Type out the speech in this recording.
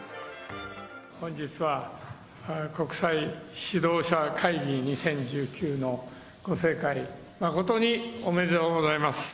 本日は国際指導者会議２０１９のご盛会、誠におめでとうございます。